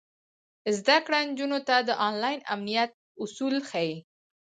زده کړه نجونو ته د انلاین امنیت اصول ښيي.